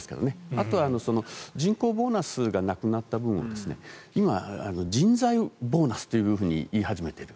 あとは人口ボーナスがなくなった分を今、人材ボーナスと言い始めている。